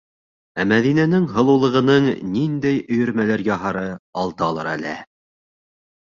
Ә Мәҙинәнең һылыулығының ниндәй өйөрмәләр яһары алдалыр әле.